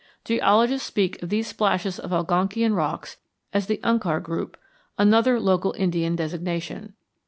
Geologists speak of these splashes of Algonkian rocks as the Unkar group, another local Indian designation.